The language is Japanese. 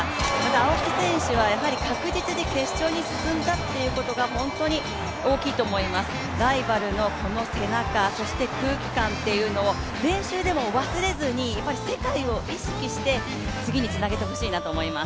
青木選手は確実に決勝に進んだということが本当に大きいと思います、ライバルのこの背中、そして空気感というのを練習でも忘れずに、世界を意識して次につなげてほしいなと思います。